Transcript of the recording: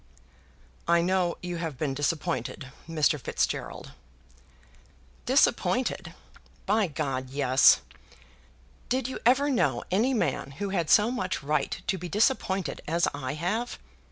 "I know you have been disappointed, Mr. Fitzgerald." "Disappointed! By G ! yes. Did you ever know any man who had so much right to be disappointed as I have?